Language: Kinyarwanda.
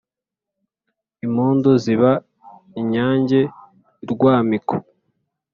impndu ziba inyange i rwamiko